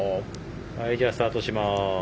はいじゃあスタートします。